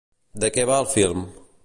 De què va el film?